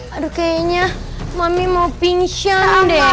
aduh kayaknya mami mau pinkshion deh